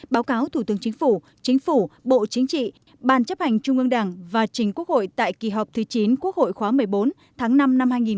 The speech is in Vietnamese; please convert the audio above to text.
báo cáo thủ tướng chính phủ chính phủ bộ chính trị ban chấp hành trung ương đảng và chính quốc hội tại kỳ họp thứ chín quốc hội khóa một mươi bốn tháng năm năm hai nghìn hai mươi